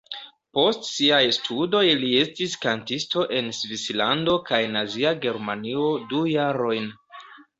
Post siaj studoj li estis kantisto en Svislando kaj Nazia Germanio du jarojn.